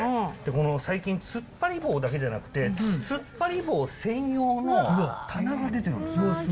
最近つっぱり棒だけじゃなくて、つっぱり棒専用の棚が出てるんです。